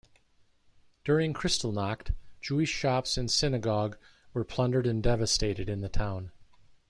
During Kristallnacht, Jewish shops and synagogue were plundered and devastated in the town.